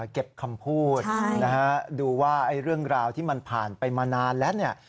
เก็บคำพูดนะฮะดูว่าเรื่องราวที่มันผ่านไปมานานแล้วเนี่ย